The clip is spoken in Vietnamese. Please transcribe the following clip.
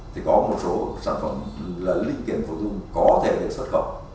thì có một số sản phẩm linh kiện phụ trung có thể được xuất khẩu